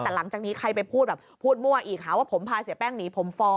แต่หลังจากนี้ใครไปพูดแบบพูดมั่วอีกหาว่าผมพาเสียแป้งหนีผมฟ้อ